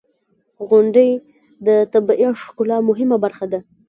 • غونډۍ د طبیعی ښکلا مهمه برخه ده.